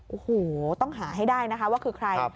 โอ้โหต้องหาให้ได้นะคะว่าคือใคร